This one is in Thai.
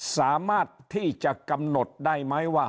สามารถที่จะกำหนดได้ไหมว่า